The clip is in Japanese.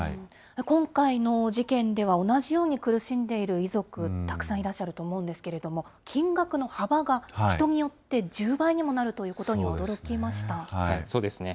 今回の事件では、同じように苦しんでいる遺族、たくさんいらっしゃると思うんですけれども、金額の幅が人によって１０倍にもそうですね。